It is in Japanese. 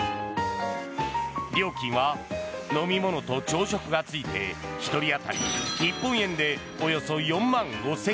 料金は飲み物と朝食がついて１人当たり日本円でおよそ４万５０００円。